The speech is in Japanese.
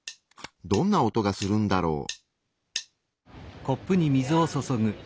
どんな音がするんだろう。